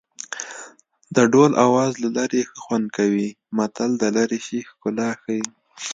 د ډول آواز له لرې ښه خوند کوي متل د لرې شي ښکلا ښيي